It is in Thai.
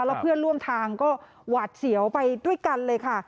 แล้วเพื่อนร่วมทางก็หวาดเสียวไปด้วยกันเลยค่ะ